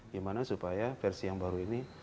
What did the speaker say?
gimana supaya versi yang baru ini